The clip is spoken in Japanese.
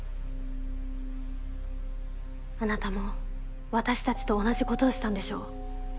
あなたも私達と同じことをしたんでしょう？